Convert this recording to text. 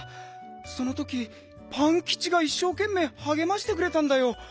そのときパンキチがいっしょうけんめいはげましてくれたんだよ。